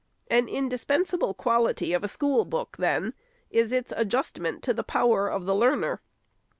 An indispensable quality of a school book, then, is its adjustment to the power of the learner.